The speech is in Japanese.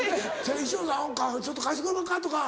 衣装さんちょっと貸してくれまっか？とか。